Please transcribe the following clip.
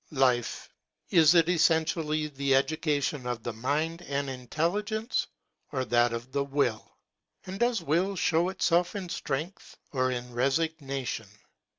Life, is it essentially the education of the mind and intelligence, or that of the will ? And does will show itself in strength or in resignation